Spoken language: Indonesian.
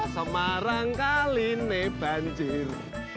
semarang kali ini banjir